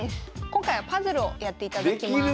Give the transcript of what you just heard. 今回はパズルをやっていただきます。